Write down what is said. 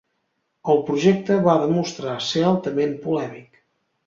El projecte va demostrar ser altament polèmic.